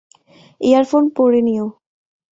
Earphone পড়ে নিও।